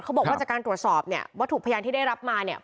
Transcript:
บอกว่าจากการตรวจสอบเนี่ยวัตถุพยานที่ได้รับมาเนี่ย